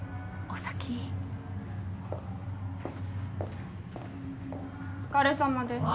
お疲れさまです。